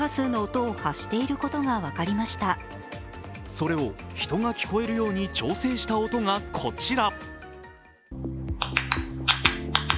それを人が聞こえるように調整した音がこちら。